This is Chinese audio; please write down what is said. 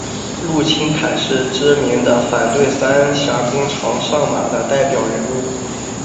陆钦侃是知名的反对三峡工程上马的代表人物。